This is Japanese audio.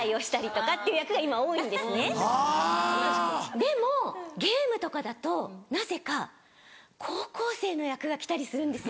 でもゲームとかだとなぜか高校生の役が来たりするんですよ。